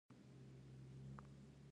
د انارو ونې په مالګینو اوبو کیږي؟